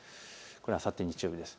これはあさって日曜日です。